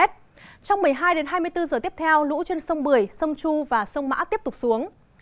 trong một mươi hai h đến hai mươi bốn h tiếp theo lũ trên sông bưởi sông chu và sông mã tiếp tục xuống